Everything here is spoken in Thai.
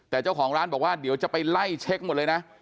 แต่เจ้าของร้านบอกว่าเดี๋ยวจะไปไล่เช็คหมดเลยนะ